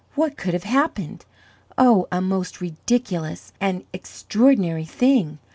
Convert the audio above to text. What could have happened? Oh, a most ridiculous and extraordinary thing!